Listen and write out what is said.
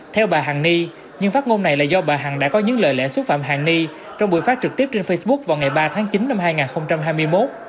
theo bà hàn ni nhưng phát ngôn này là do bà hằng đã có những lời lẽ xúc phạm hàn ni trong buổi phát trực tiếp trên facebook vào ngày ba tháng chín năm hai nghìn hai mươi một